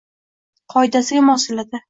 qoidasiga mos keladi.